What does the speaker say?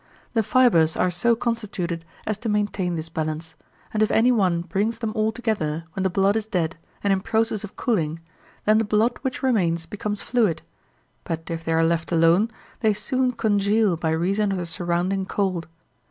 The fibres are so constituted as to maintain this balance; and if any one brings them all together when the blood is dead and in process of cooling, then the blood which remains becomes fluid, but if they are left alone, they soon congeal by reason of the surrounding cold.